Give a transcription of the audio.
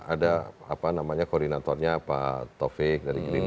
ada apa namanya koordinatornya pak taufik dari green truck